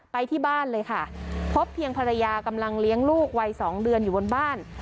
ไปที่บ้านเลยค่ะพบเพียงภรรยากำลังเลี้ยงลูกวัย๒เดือนอยู่บนบ้าน